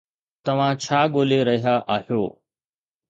توهان ڇا ڳولي رهيا آهيو؟